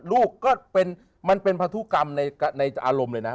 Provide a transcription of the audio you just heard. ลูกก็เป็นมันเป็นพันธุกรรมในอารมณ์เลยนะ